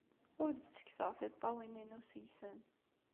Ur d-ttekkseɣ tiṭṭawin-inu seg-sen.